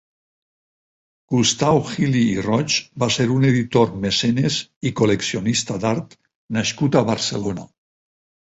Gustau Gili i Roig va ser un editor, mecenes i col·leccionista d'art nascut a Barcelona.